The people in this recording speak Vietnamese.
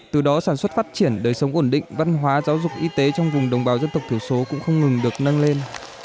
từ đó sản xuất phát triển đời sống ổn định văn hóa giáo dục y tế trong vùng đồng bào dân tộc thiểu số cũng không ngừng được nâng lên